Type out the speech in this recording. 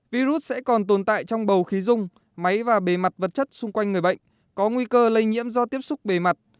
virus sẽ còn tồn tại trong bầu khí dung máy và bề mặt vật chất xung quanh người bệnh có nguy cơ lây nhiễm do tiếp xúc bề mặt